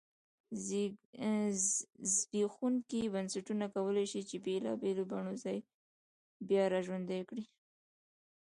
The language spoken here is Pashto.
زبېښونکي بنسټونه کولای شي چې بېلابېلو بڼو ځان بیا را ژوندی کړی.